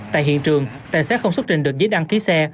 tại hiện trường tài xế không xuất trình được giấy đăng ký xe